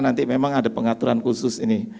nanti memang ada pengaturan khusus ini